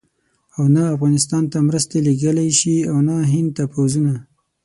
او نه افغانستان ته مرستې لېږلای شي او نه هند ته پوځونه.